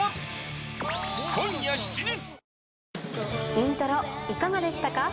『イントロ』いかがでしたか？